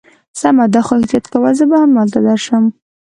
سمه ده، خو احتیاط کوه، زه به همالته درشم.